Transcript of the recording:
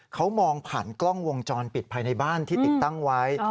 เขามองผ่านกล้องวงจรปิดภายในบ้านที่ติดตั้งไว้